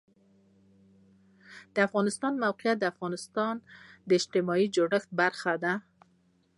د افغانستان د موقعیت د افغانستان د اجتماعي جوړښت برخه ده.